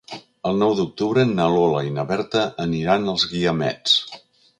El nou d'octubre na Lola i na Berta aniran als Guiamets.